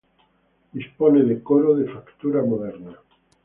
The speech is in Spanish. Dispone de coro, de factura moderna.